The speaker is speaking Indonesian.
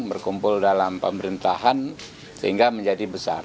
berkumpul dalam pemerintahan sehingga menjadi besar